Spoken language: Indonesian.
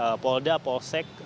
dari polda polsek